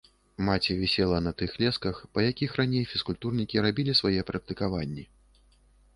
Маці вісела на тых лесках, па якіх раней фізкультурнікі рабілі свае практыкаванні.